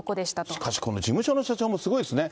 しかし、この事務所の社長もすごいですね。